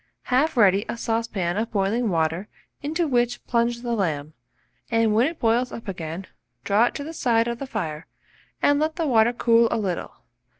Have ready a saucepan of boiling water, into which plunge the lamb, and when it boils up again, draw it to the side of the fire, and let the water cool a little.